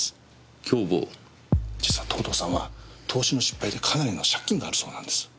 実は藤堂さんは投資の失敗でかなりの借金があるそうなんです。